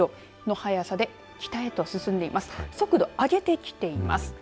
速度を上げてきています。